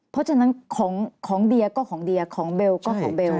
เพราะฉะนั้นของเดียก็ของเดียของเบลก็ของเบล